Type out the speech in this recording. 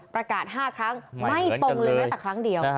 ประกาศ๕ครั้งไม่ตรงเลยแม้แต่ครั้งเดียว